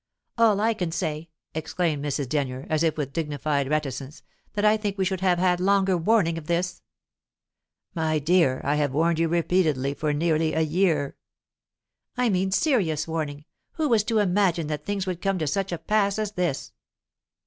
"All I can say is," exclaimed Mrs. Denyer, as if with dignified reticence, "that I think we should have had longer warning of this!" "My dear, I have warned you repeatedly for nearly a year." "I mean serious warning. Who was to imagine that things would come to such a pass as this?"